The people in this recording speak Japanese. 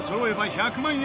大西：１００万円